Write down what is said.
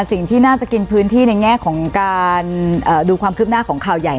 สิ่งที่น่าจะกินพื้นที่ในแง่ของการดูความคืบหน้าของข่าวใหญ่